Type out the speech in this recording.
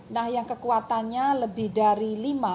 nah yang kekuatannya lebih dari lima